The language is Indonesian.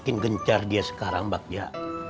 makin gencar dia sekarang mbak ja